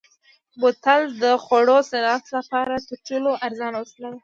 بوتل د خوړو صنعت لپاره تر ټولو ارزانه وسیله ده.